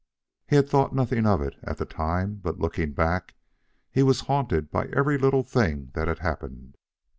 He had thought nothing of it at the time; but, looking back, he was haunted by every little thing that had happened.